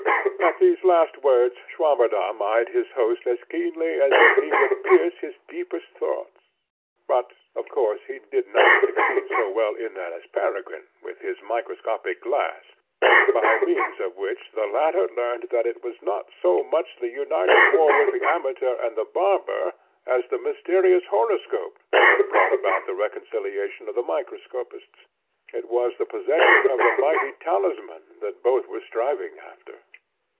At these last words Swammerdamm eyed his host as keenly as if he would pierce his deepest thoughts; but of course he did not succeed so well in that as Peregrine with his microscopic glass, by means of which the latter learnt that it was not so much the united war with the Amateur and the Barber, as the mysterious horoscope, that had brought about the reconciliation of the microscopists. It was the possession of the mighty talisman that both were striving after.